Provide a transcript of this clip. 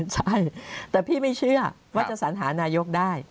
ใช่แต่พี่ไม่เชื่อว่าจะสัญหานายกได้